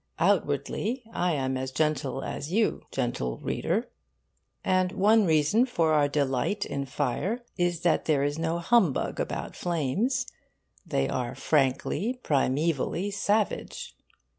Outwardly, I am as gentle as you, gentle reader. And one reason for our delight in fire is that there is no humbug about flames: they are frankly, primaevally savage.